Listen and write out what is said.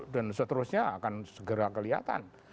dan seterusnya akan segera kelihatan